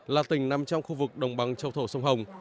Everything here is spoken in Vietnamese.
là tỉnh nằm trong khu vực đồng bằng châu thổ sông hồng